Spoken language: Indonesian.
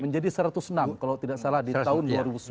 menjadi satu ratus enam kalau tidak salah di tahun dua ribu sembilan